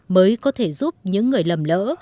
mới có thể giúp những người lầm lỡ